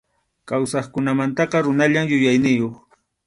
Kawsaqkunamantaqa runallam yuyayniyuq.